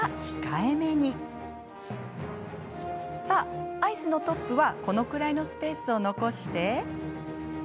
さあアイスのトップはこのくらいのスペースを残して。